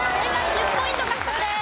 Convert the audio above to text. １０ポイント獲得です。